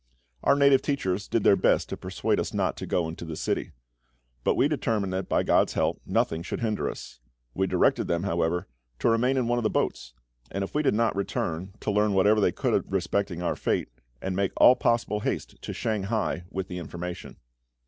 Our native teachers did their best to persuade us not to go into the city; but we determined that, by GOD'S help, nothing should hinder us. We directed them, however, to remain in one of the boats; and if we did not return, to learn whatever they could respecting our fate, and make all possible haste to Shanghai with the information.